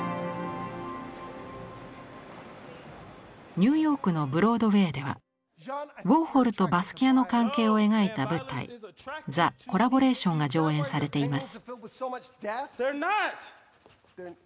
ニューヨークのブロードウェイではウォーホルとバスキアの関係を描いた舞台「ザ・コラボレーション」が上演されています。